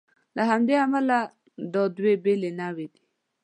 له همدې امله دا دوې بېلې نوعې دي.